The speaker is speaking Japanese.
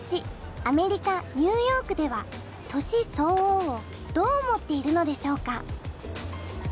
アメリカ・ニューヨークでは年相応をどう思っているのでしょうか。